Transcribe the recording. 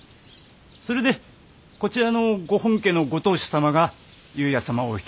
それでこちらのご本家のご当主様が由也様を引き取られたんです。